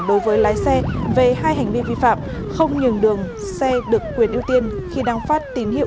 đối với lái xe về hai hành vi vi phạm không nhường đường xe được quyền ưu tiên khi đang phát tín hiệu